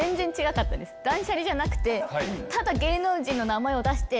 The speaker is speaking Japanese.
断捨離じゃなくて。